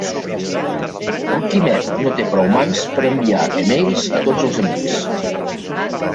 El Quimet no té prou mans per a enviar e-mails a tots els amics.